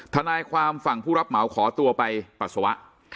ทนายความฝั่งผู้รับเหมาขอตัวไปปัสสาวะ